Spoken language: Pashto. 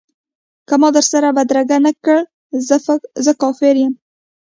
که ما در سره بدرګه نه کړ زه کافر یم.